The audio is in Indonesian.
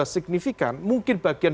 signifikan mungkin bagian